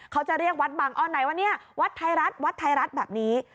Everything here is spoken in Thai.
เขาจะเรียกวัดบังอ้อนไหนว่าเนี่ยวัดไทยรัฐวัดไทยรัฐแบบนี้